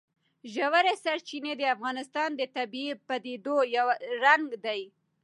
ژورې سرچینې د افغانستان د طبیعي پدیدو یو رنګ دی.